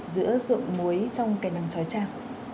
giữa rượu muối trong cây nắng trói trang